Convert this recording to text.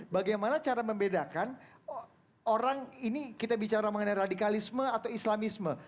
bagaimana cara membedakan orang ini kita bicara mengenai radikalisme atau islamisme